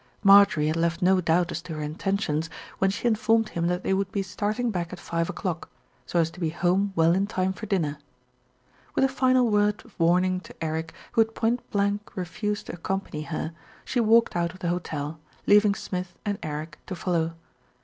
Marjorie had left no doubt as to her intentions when she informed him that they would be starting back at five o'clock, so as to be home well in time for dinner. With a final word of warning to Eric, who had point blank refused to accompany her, she walked out of the hotel, leaving Smith and Eric to follow.